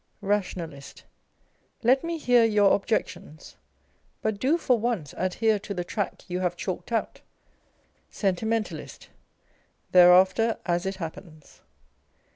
Rationalist. Let me hear your objections ; but do for once adhere to the track you have chalked out. Sentimentalist. " Thereafter as it happens."